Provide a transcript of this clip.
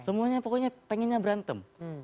semuanya pokoknya pengennya berantem